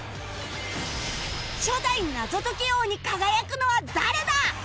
初代謎解き王に輝くのは誰だ！？